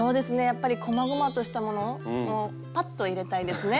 やっぱりこまごまとしたものをパッと入れたいですね。